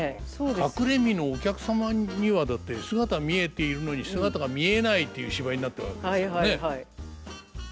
隠れ蓑お客様にはだって姿見えているのに姿が見えないっていう芝居になってるわけですからね。